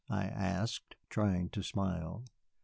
I asked, trying to smile.